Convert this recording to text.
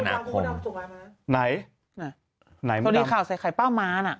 หัวหน้าใส่ไข่เป้าม้านะ